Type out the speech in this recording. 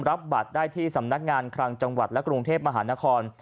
รับบัตรได้ที่สำนักงานคลังจังหวัดและกรุงเทพมหานคร